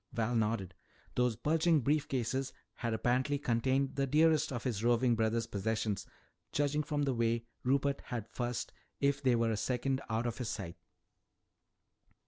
Val nodded. Those bulging brief cases had apparently contained the dearest of his roving brother's possessions, judging from the way Rupert had fussed if they were a second out of his sight.